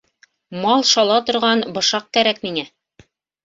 Мал шала торған бышаҡ кәрәк миңә!